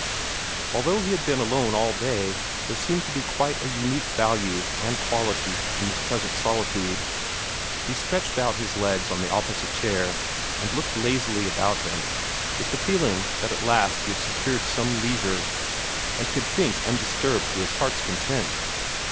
Although he had been alone all day, there seemed to be quite a unique value and quality in this present solitude. He stretched out his legs on the opposite chair, and looked lazily about him, with the feeling that at last he had secured some leisure, and could think undisturbed to his heart's content.